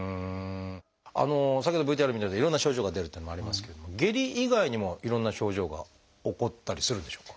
先ほどＶＴＲで見たようないろんな症状が出るというのもありますけれども下痢以外にもいろんな症状が起こったりするんでしょうか？